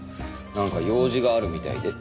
なんか用事があるみたいで。